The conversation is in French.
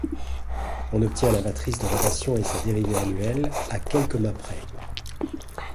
On obtient la matrice de rotation et sa dérivée annuelle, à quelques mas près.